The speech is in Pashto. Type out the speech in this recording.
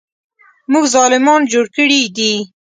موږ ظالمان جوړ کړي دي.